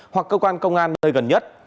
hoặc cơ quan công an nơi gần nhất